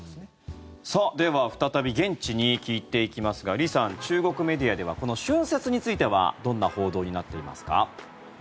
では、再び現地に聞いていきますがリさん、中国メディアではこの春節についてはどんな報道になっていますか？